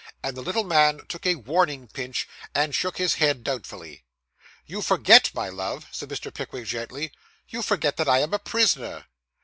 And the little man took a warning pinch, and shook his head doubtfully. 'You forget, my love,' said Mr. Pickwick gently, 'you forget that I am a prisoner.